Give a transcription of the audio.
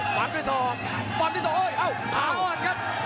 ฟันที่สองฟันที่สองโอ้ยอ้าวผาอ้อนครับ